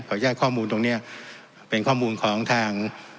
ญาตข้อมูลตรงเนี้ยเป็นข้อมูลของทาง